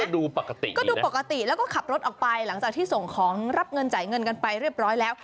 ดูปกติก็ดูปกติแล้วก็ขับรถออกไปหลังจากที่ส่งของรับเงินจ่ายเงินกันไปเรียบร้อยแล้ว